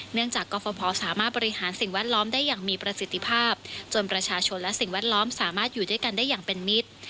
จากกรฟภสามารถบริหารสิ่งแวดล้อมได้อย่างมีประสิทธิภาพจนประชาชนและสิ่งแวดล้อมสามารถอยู่ด้วยกันได้อย่างเป็นมิตร